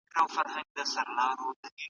خدای انسانانو ته ازاده اراده ورکړې ده.